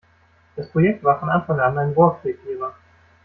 Das Projekt war von Anfang an ein Rohrkrepierer.